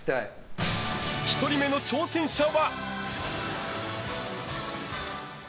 １人目の挑戦者は。